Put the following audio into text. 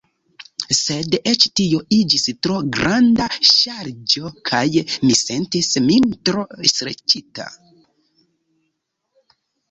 Sed eĉ tio iĝis tro granda ŝarĝo kaj mi sentis min tro streĉita.